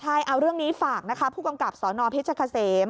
ใช่เอาเรื่องนี้ฝากนะคะผู้กำกับสนเพชรเกษม